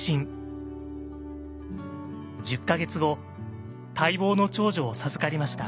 １０か月後待望の長女を授かりました。